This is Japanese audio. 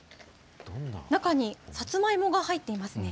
中にさつまいもが入っていますね。